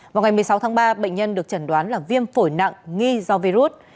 vào ngày một mươi sáu tháng ba bệnh nhân được chẩn đoán là viêm phổi nặng nghi do virus